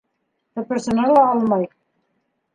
Тыпырсына ла алмай.